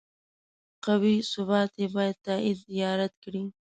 قوي ثبوت یې باید تایید یا رد کړي.